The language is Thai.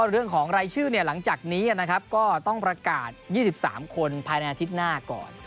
เรื่องของรายชื่อหลังจากนี้ก็ต้องประกาศ๒๓คนภายในอาทิตย์หน้าก่อน